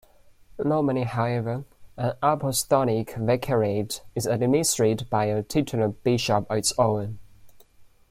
Normally, however, an apostolic vicariate is administered by a titular bishop of its own.